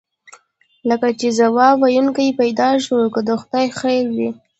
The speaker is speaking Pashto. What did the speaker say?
لکه چې ځواب ویونکی پیدا شو، که د خدای خیر وي.